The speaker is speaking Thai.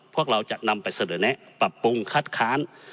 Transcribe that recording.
พวกเราจะนำไปเสนอแนะปรับปรุงคัดค้าน